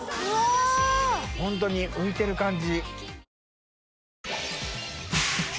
ホントに浮いてる感じ。